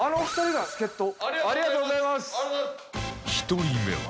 １人目は